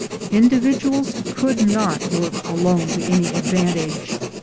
Individuals could not work alone to any advan tage.